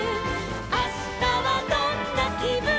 「あしたはどんなきぶんかな」